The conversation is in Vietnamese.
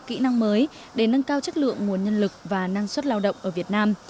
kỹ năng mới để nâng cao chất lượng nguồn nhân lực và năng suất lao động ở việt nam